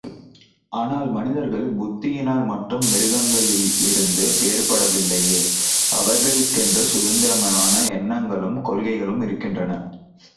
ஆனால் மனிதர்கள் புத்தியினால் மட்டும் மிருகங்களிலிருந்து வேறுபடவில்லையே, அவர்களுக்கென்று சுதந்திரமான எண்ணங்களும், கொள்கைகளும் இருக்கின்றன.